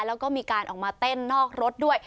แล้วก็มีการออกมาเต้นนอกรถด้วย